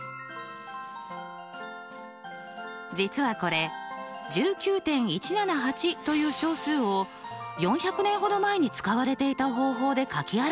実はこれ１９．１７８という小数を４００年ほど前に使われていた方法で書き表したものなんです。